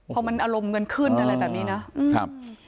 เพราะมันอารมณ์กันขึ้นอะไรแบบนี้นะ